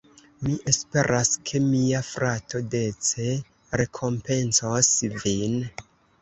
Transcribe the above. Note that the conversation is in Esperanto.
Mi esperas, ke mia frato dece rekompencos vin.